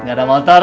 gak ada motor